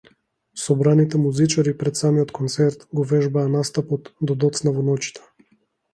Собраните музичари пред самиот концерт го вежбаа настапот до доцна во ноќта.